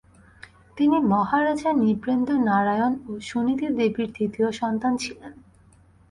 তিনি মহারাজা নৃপেন্দ্র নারায়ণ ও সুনীতি দেবীর দ্বিতীয় সন্তান ছিলেন।